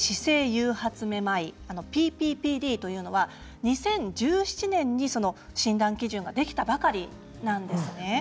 誘発めまい・ＰＰＰＤというのは２０１７年に診断基準ができたばかりなんです。